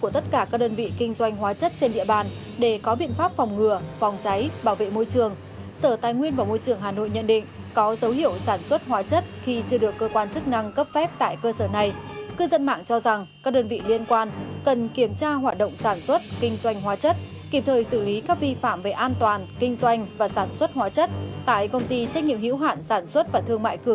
từ vụ cháy kho hóa chất tại công ty trách nhiệm hữu hản sản xuất và thương mại